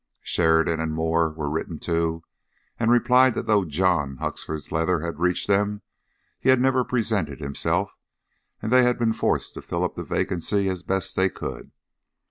Sheridan and Moore were written to, and replied that though John Huxford's letter had reached them, he had never presented himself, and they had been forced to fill up the vacancy as best they could.